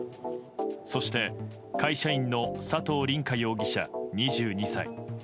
そして会社員の佐藤凜果容疑者２２歳。